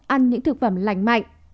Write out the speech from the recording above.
ăn những thực phẩm lành mạnh